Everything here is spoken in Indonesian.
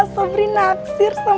sobri naksir sama aku